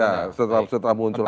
ya setelah muncul aneh